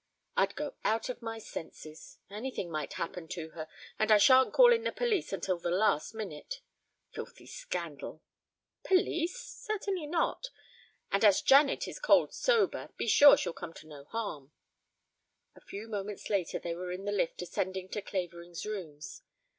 I'd go out of my senses. Anything might happen to her, and I shan't call in the police until the last minute. Filthy scandal." "Police? Certainly not. And as Janet is cold sober, be sure she'll come to no harm." A few moments later they were in the lift ascending to Clavering's rooms.